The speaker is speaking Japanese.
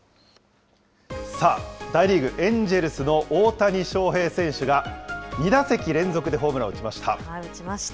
さあ、大リーグ・エンジェルスの大谷翔平選手が２打席連続でホームラン打ちました。